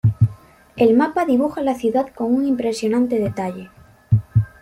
El mapa dibuja la ciudad con un impresionante detalle.